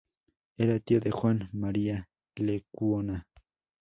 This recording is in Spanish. Era tío de Juan María Lekuona.